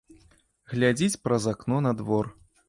Глядзіць праз акно на двор.